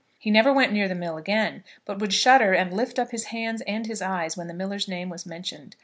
He never went near the mill again, but would shudder and lift up his hands and his eyes when the miller's name was mentioned.